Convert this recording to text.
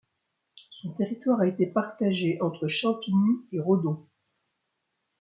Son territoire a été partagé entre Champigny et Rhodon.